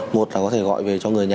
một là có thể gọi về cho người nhà